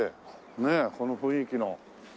ねえこの雰囲気の。